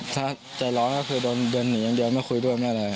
ถ้าใจร้อนก็คือเดินหนีอย่างเดียวไม่คุยด้วยไม่อะไร